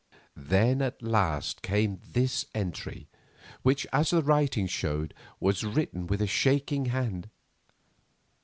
Then at last came this entry, which, as the writing showed, was written with a shaking hand.